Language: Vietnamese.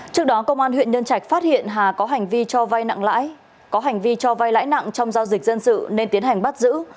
trước đó công an huyện nhân trạch phát hiện hà có hành vi cho vai lãi nặng trong giao dịch dân sự nên tiến hành bắt giữ